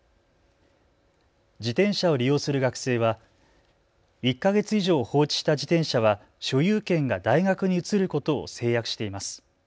自転車を利用する学生は１か月以上、放置した自転車は所有権が大学に移ることを誓約しています。